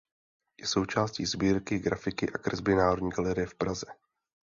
Je součástí sbírky grafiky a kresby Národní galerie v Praze.